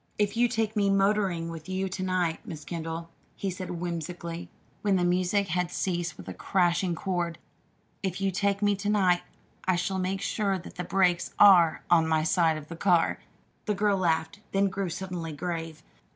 "If you take me motoring with you to night, Miss Kendall," he said whimsically, when the music had ceased with a crashing chord, "if you take me to night, I shall make sure that the brakes are on my side of the car!" The girl laughed, then grew suddenly grave.